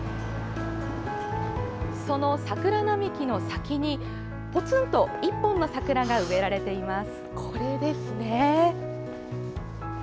その桜並木の先にぽつんと１本の桜が植えられています。